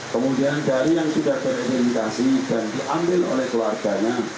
kemudian dari yang sudah teridentifikasi dan diambil oleh keluarganya